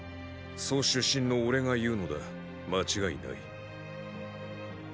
楚出身の俺が言うのだ間違いない。